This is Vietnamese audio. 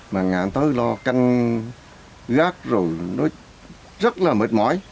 mà ngàn tối lo canh gác rồi nó rất là mệt mỏi